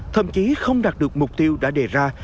thậm chí không đạt được mục tiêu đã đề ra